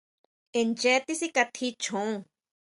Ncheé tisikatji chjon.